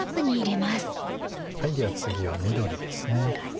では次は緑ですね。